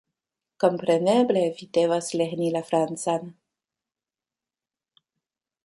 "Kompreneble, vi devas lerni la francan!